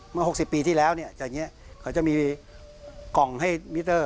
เมื่อ๖๐ปีที่แล้วเขาก็มีก่อนให้มิเตอร์